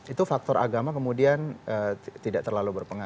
itu faktor agama kemudian tidak terlalu berpengaruh